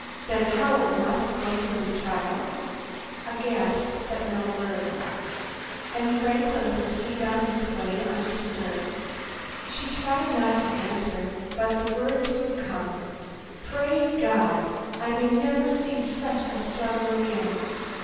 "Then Howard must go to his trial?" A gasp, but no words. "And Franklin proceed on his way undisturbed?" She tried not to answer, but the words would come. Pray God! I may never see such a struggle again.